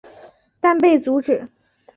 但被阻止。